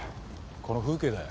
この風景だよ。